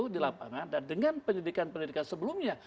di lapangan dan dengan pendidikan pendidikan sebelumnya